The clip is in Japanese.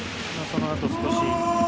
そのあと、少し。